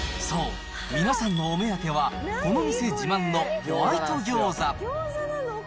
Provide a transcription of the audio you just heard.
そう、皆さんのお目当ては、この店自慢のホワイト餃子。